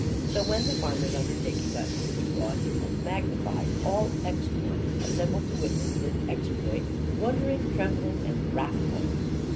So when the farmer's undertaking got noised abroad and magnified, all Exmoor assembled to witness the exploit, wondering, trembling, and wrathful.